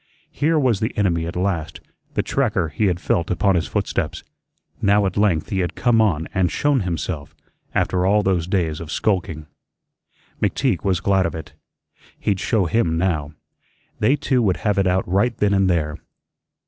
Here was the enemy at last, the tracker he had felt upon his footsteps. Now at length he had "come on" and shown himself, after all those days of skulking. McTeague was glad of it. He'd show him now. They two would have it out right then and there.